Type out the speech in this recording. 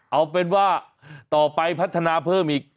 เอาเป็นว่าต่อไปพัฒนาเพิ่มอีก